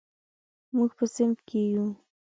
موږ په صنف کې یو.